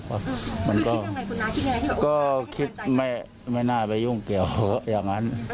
คุณน้าคิดยังไงคุณน้าคิดยังไงคุณน้าคิดยังไงก็คิดไม่ไม่น่าไปยุ่งเกี่ยวอย่างนั้น